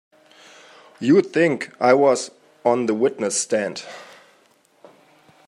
You'd think I was on the witness stand!